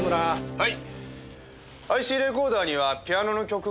はい。